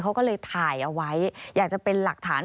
เขาก็เลยถ่ายเอาไว้อยากจะเป็นหลักฐาน